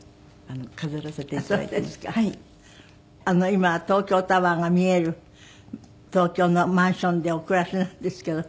今は東京タワーが見える東京のマンションでお暮らしなんですけど。